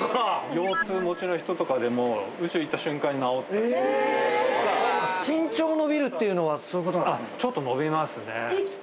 そうか腰痛持ちの人とかでも宇宙行った瞬間に治ったりとかっていうのはそういうことなんですね